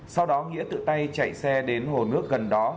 sau đó nghĩa tự tay chạy xe đến hồ nước gần đó